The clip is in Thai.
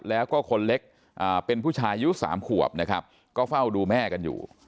แล้วก็คนเล็กเป็นผู้ชายอายุ๓ขวบนะครับก็เฝ้าดูแม่กันอยู่